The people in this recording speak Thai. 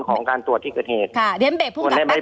ของการตรวจที่เกิดเหตุค่ะเด้นท์เบ็กพรุงกับแปลก